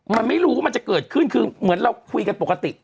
มันไม่รู้ว่ามันจะเกิดขึ้นคือเหมือนเราคุยกันปกติ